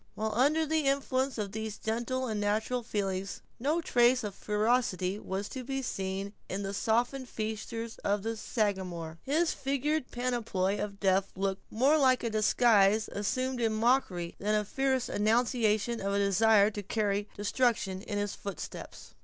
While under the influence of these gentle and natural feelings, no trace of ferocity was to be seen in the softened features of the Sagamore. His figured panoply of death looked more like a disguise assumed in mockery than a fierce annunciation of a desire to carry destruction in his footsteps.